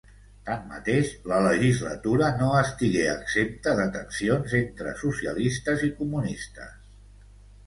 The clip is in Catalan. Tanmateix, la legislatura no estigué exempta de tensions entre socialistes i comunistes.